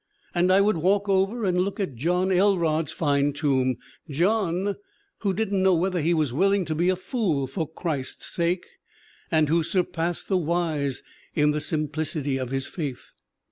And I would walk over and look at John Elrod's fine tomb John, who didn't know whether he was willing to be a fool for Christ's CORRA HARRIS 163 sake and who surpassed the wise in the simplicity of his faith.